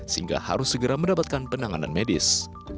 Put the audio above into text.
sehingga harus segera mendapatkan penanganan medis